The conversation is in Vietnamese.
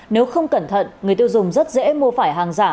nếu không cẩn thận người tiêu dùng rất dễ mua phải hàng giả